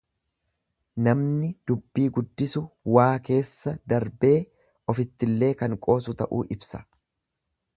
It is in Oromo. Namni dubbii guddisu waa keessa darbee ofittille kan qoosu ta'uu ibsa.